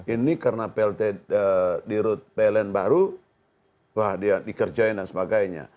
ini karena pln baru dikerjain dan sebagainya